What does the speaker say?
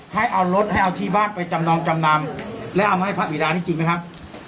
ให้เอารถให้เอาที่บ้านไปจำนองจำนำแล้วเอามาให้พระบิดานี่จริงไหมครับ